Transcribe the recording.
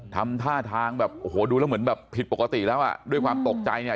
ทำท่าทางแบบโอ้โหดูแล้วเหมือนแบบผิดปกติแล้วอ่ะด้วยความตกใจเนี่ย